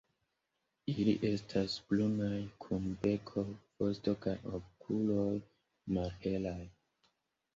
Ili estas brunaj, kun beko, vosto kaj okuloj malhelaj.